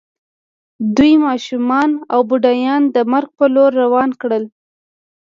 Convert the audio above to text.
دوی ماشومان او بوډاګان د مرګ په لور روان کړل